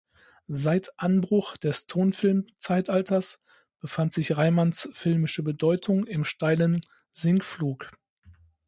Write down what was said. Seit Anbruch des Tonfilmzeitalters befand sich Reimanns filmische Bedeutung im steilen Sinkflug.